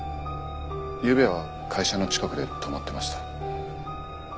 ゆうべは会社の近くで泊まってました。